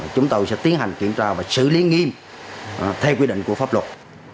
chúng tôi sẽ tiến hành kiểm tra và xử lý nghiêm theo quy định của pháp luật